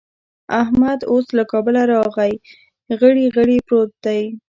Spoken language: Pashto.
احمد اوس له کابله راغی؛ غړي غړي پروت دی.